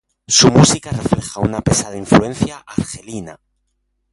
Su música refleja una pesada influencia argelina.